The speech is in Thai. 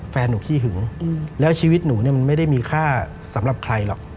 แฟนหนูขี้หึงแล้วชีวิตหนูเนี่ยมันไม่ได้มีค่าสำหรับใครหรอก